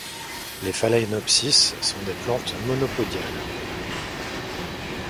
Les phalaenopsis sont des plantes monopodiales.